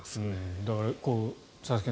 だから佐々木さん